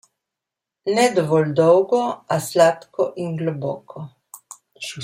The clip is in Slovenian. Ne dovolj dolgo, a sladko in globoko.